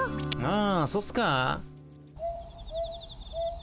あそっすか？